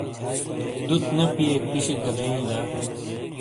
دُت نے پِئیک پِشِیک گہ بئییں دا؟